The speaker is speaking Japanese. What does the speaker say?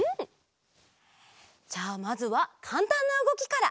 じゃあまずはかんたんなうごきから。